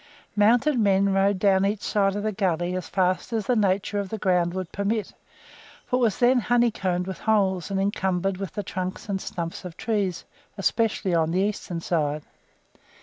Mounted men rode down each side of the gully as fast as the nature of the ground would permit, for it was then honeycombed with holes, and encumbered with the trunks and stumps of trees, especially on the eastern side.